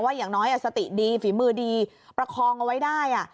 อย่างน้อยสติดีฝีมือดีประคองเอาไว้ได้